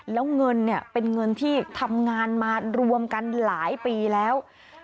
แล้วเงินเนี่ยเป็นเงินที่ทำงานมารวมกันหลายปีแล้ว